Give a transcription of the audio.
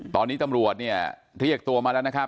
ตอนนี้ตำรวจเนี่ยเรียกตัวมาแล้วนะครับ